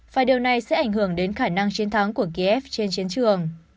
và điều này sẽ ảnh hưởng đến khả năng chiến thắng của kiev trên chiến trường